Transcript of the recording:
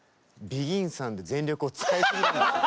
ＢＥＧＩＮさんで全力を使いすぎですよ。